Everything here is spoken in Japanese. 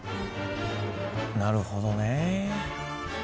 なるほどね。